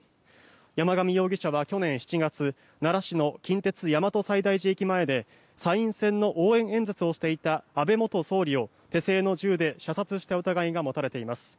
山上容疑者は去年７月奈良市の近鉄大和西大寺駅前で参院選の応援演説をしていた安倍元総理を手製の銃で射殺した疑いが持たれています。